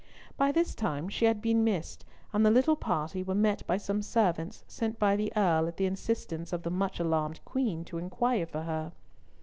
By this time she had been missed, and the little party were met by some servants sent by the Earl at the instance of the much alarmed Queen to inquire for her.